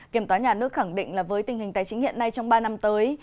kiểm toán nhà nước khẳng định là với tình hình tài chính hiện nay trong ba năm tới